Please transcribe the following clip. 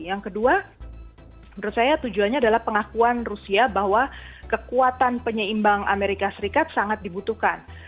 yang kedua menurut saya tujuannya adalah pengakuan rusia bahwa kekuatan penyeimbang amerika serikat sangat dibutuhkan